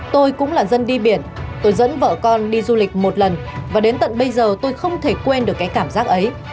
tôi cũng là dân đi biển tôi dẫn vợ con đi du lịch một lần và đến tận bây giờ tôi không thể quên được cái cảm giác ấy